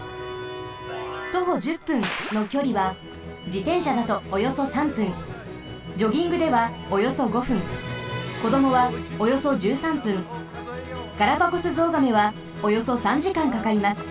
「徒歩１０分」のきょりはじてんしゃだとおよそ３分ジョギングではおよそ５分こどもはおよそ１３分ガラパゴスゾウガメはおよそ３時間かかります。